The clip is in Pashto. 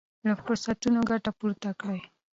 له فرصتونو ګټه پورته کړئ.